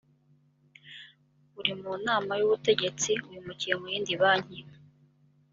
uri mu nama y ubutegetsi wimukiye mu yindi banki